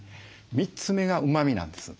３つ目がうまみなんです。